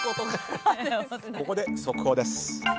ここで速報です。